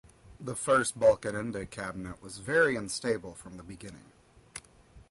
The first Balkenende cabinet was very unstable from the beginning.